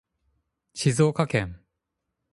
静岡県